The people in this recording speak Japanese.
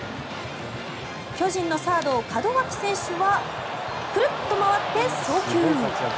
巨人のサード、門脇選手はくるっと回って送球。